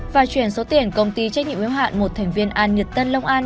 và chuyển số tiền công ty trách nhiệm yếu hạn một thành viên an nhật tân long an